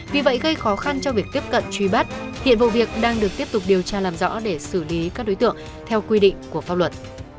vì vậy gây khó khăn cho việc tiếp cận truy bắt hiện vụ việc đang được tiếp tục điều tra làm rõ để xử lý các đối tượng theo quy định của pháp luật